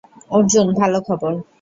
অর্জুন, ভালো খবর।